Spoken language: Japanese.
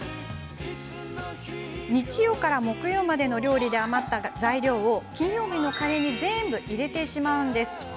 日曜から木曜までの料理で余った材料を、金曜日のカレーに全部入れてしまうんです。